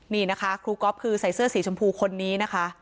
นี่นะคะครูก๊อฟคือใส่เสื้อสีชมพูคนนี้นะคะ